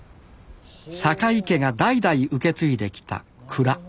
坂井家が代々受け継いできた蔵